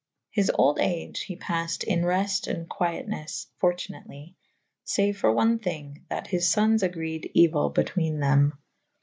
His olde age he paffed in refte and quyetnes fortunately / faue for one thyng / that his fonnes agreed euyll betwene them.